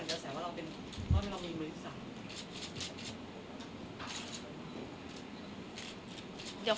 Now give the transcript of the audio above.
คนเราถ้าใช้ชีวิตมาจนถึงอายุขนาดนี้แล้วค่ะ